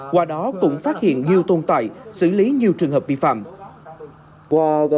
qua đó cũng phát hiện nhiều tồn tại xử lý nhiều trường hợp vi phạm